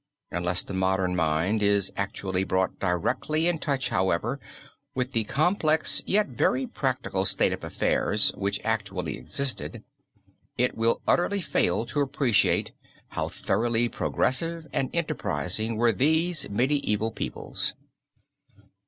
Unless the modern mind is actually brought directly in touch, however, with the complex yet very practical state of affairs, which actually existed, it will utterly fail to appreciate how thoroughly progressive and enterprising were these medieval peoples.